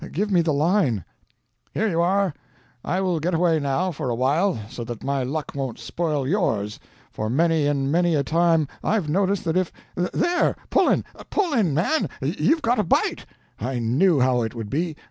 Give me the line." "Here you are. I will get away, now, for awhile, so that my luck won't spoil yours; for many and many a time I've noticed that if there, pull in, pull in, man, you've got a bite! I knew how it would be.